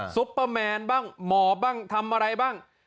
ซุปเปอร์แมนบ้างหมอบ้างทำอะไรบ้าง